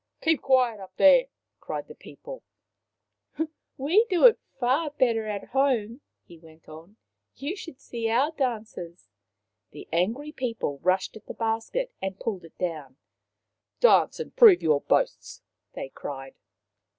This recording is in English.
" Keep quiet up there !" cried the people. " We do it far better at home/' he went on. " You should see our dances !" The angry people rushed at the basket and Tama and His Brother 195 pulled it down. " Dance, and prove your boasts/' they cried.